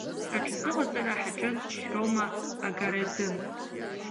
Аҽазыҟаҵара ҳаҿын Шьрома агаразын…